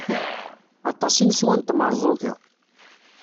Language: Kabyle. Aṭas i neswa n tmerẓuga.